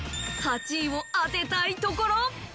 ８位を当てたいところ。